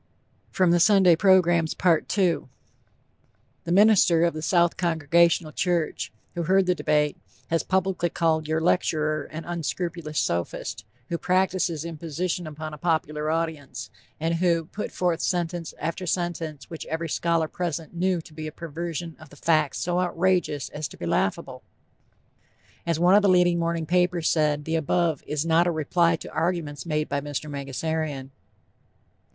II The minister of the South Congregational Church, who heard the debate, has publicly called your lecturer an "unscrupulous sophist," who "practices imposition upon a popular audience" and who "put forth sentence after sentence which every scholar present knew to be a perversion of the facts so outrageous as to be laughable." As one of the leading morning papers said, the above "is not a reply to arguments made by Mr. Mangasarian."